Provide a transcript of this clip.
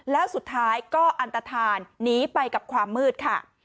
แล้วสุดท้ายก็อันตฐานหนีไปกับความมืดค่ะ